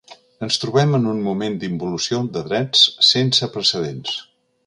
Ens trobem en un moment d’involució de drets sense precedents.